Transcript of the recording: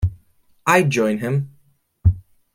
I’d join him.